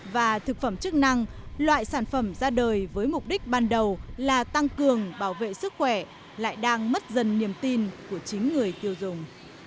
và thực phẩm chức năng loại sản phẩm ra đời với mục đích ban đầu là tăng cường bảo vệ sức khỏe lại đang mất dần niềm tin của chính người tiêu dùng